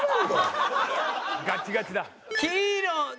ガチガチだ。